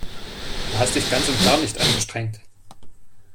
Du hast dich ganz und gar nicht angestrengt.